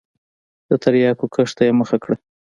د تریاکو کښت ته یې مخه کړه.